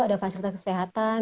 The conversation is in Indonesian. ada fasilitas kesehatan